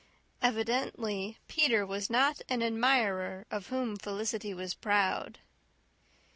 Evidently Peter was not an admirer of whom Felicity was proud.